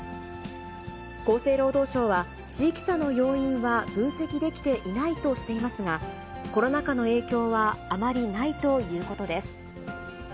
厚生労働省は、地域差の要因は分析できていないとしていますが、コロナ禍の影響はあまりないということです。